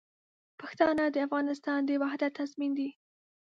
پښتانه د افغانستان د وحدت تضمین دي.